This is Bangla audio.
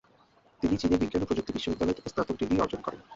তিনি চীনের বিজ্ঞান ও প্রযুক্তি বিশ্ববিদ্যালয় থেকে স্নাতক ডিগ্রি অর্জন করেন।